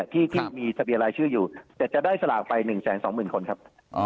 ที่มีทะเบียนรายชื่ออยู่แต่จะได้สลากไป๑๒๐๐๐คนครับ